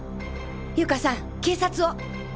友嘉さん警察を。